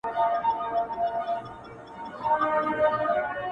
داسي محراب غواړم. داسي محراب راکه.